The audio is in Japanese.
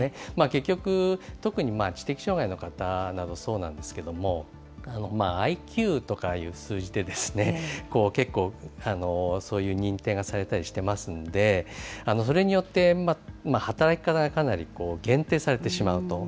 結局、特に知的障害の方などそうなんですけれども、ＩＱとかいう数字で結構、そういう認定がされたりしていますので、それによって、働き方がかなり限定されてしまうと。